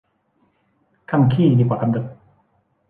กำขี้ดีกว่ากำตด